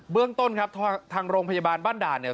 เรื่องต้นครับทางโรงพยาบาลบ้านด่านเนี่ย